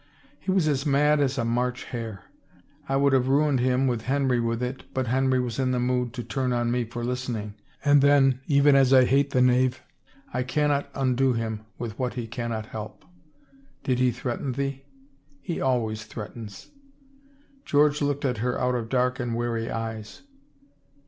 " He was as mad as a March hare. I would have ruined him with Henry with it but Henry was in the mood to turn on me for listening — and then, even as I hate the knave, I cannot undo him with what he cannot help." "Did he threaten thee?" " He always threatens." George looked at her out of dark and wary eyes.